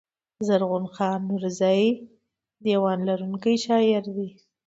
زرغون خان نورزى دېوان لرونکی شاعر دﺉ.